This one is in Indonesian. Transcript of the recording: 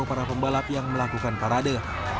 para pembalap yang melakukan parade